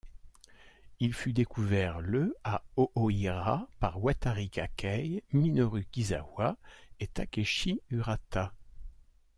Il fut découvert le à Oohira par Watari Kakei, Minoru Kizawa et Takeshi Urata.